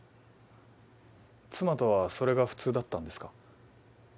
妻とはそれが普通だったんですか？